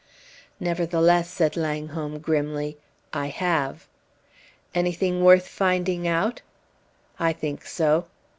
"Nevertheless," said Langholm, grimly, "I have." "Anything worth finding out?" "I think so."